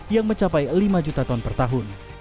yang mencapai lima juta ton per tahun